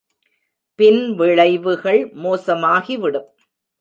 பின் விளைவுகள் மோசமாகிவிடும்.